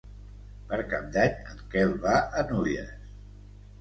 Per Cap d'Any en Quel va a Nulles.